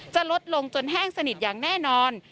จะลดลงจนแห้งสนิทอย่างแน่นอน